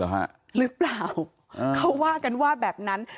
หรือเปล่าเขาว่ากันว่าแบบนั้น